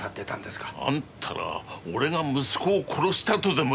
あんたら俺が息子を殺したとでも言いたいのか！？